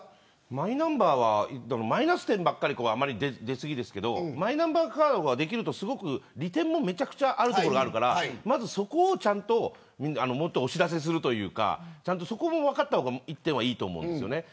マイナンバーはマイナス点ばっかり出過ぎですけどマイナンバーカードができると利点もめちゃくちゃあるからそこをちゃんともっとお知らせするというかそこも分かった方が一点いいと思うんですね。